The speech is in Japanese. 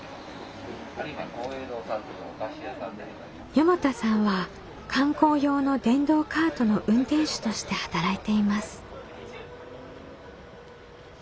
四方田さんは観光用の電動カートの運転手として働いています。